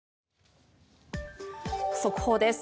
速報です。